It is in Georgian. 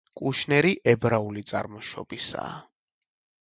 კუშნერი ებრაული წარმოშობისაა.